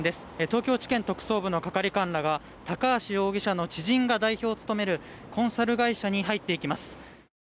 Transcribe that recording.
東京地検特捜部の係官らが高橋容疑者の知人が代表を務めるコンサル会社に入っていきます。